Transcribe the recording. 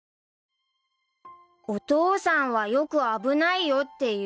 ［お父さんはよく「危ないよ」って言う］